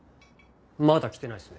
まだ来てないですね。